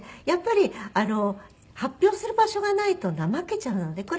やっぱり発表する場所がないと怠けちゃうので。